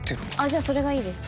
じゃあそれがいいです。